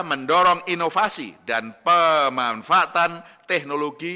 mendorong inovasi dan pemanfaatan teknologi